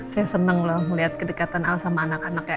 saya seneng loh melihat kedekatan al sama anak anaknya